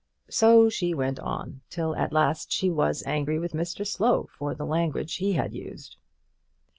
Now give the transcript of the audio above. So she went on, till at last she was angry with Mr Slow for the language he had used.